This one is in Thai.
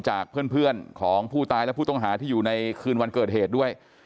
จากเพื่อนของผู้ตายและผู้ต้องหาที่อยู่ในคืนวันเกิดเหตุด้วย